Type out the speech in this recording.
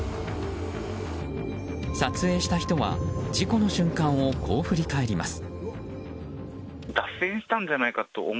撮影した人は事故の瞬間をこう振り返ります。